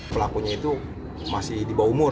pelakunya itu masih di bawah umur